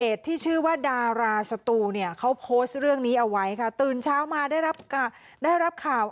ชื่อว่าดาราสตูเนี่ยเขาโพสต์เรื่องนี้เอาไว้ค่ะตื่นเช้ามาได้รับได้รับข่าว